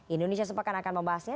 indonesia sempat akan membahasnya